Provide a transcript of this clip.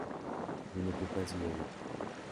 je ne peux pas y aller.